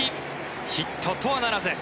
ヒットとはならず。